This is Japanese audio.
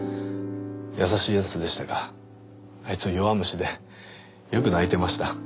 優しい奴でしたがあいつは弱虫でよく泣いてました。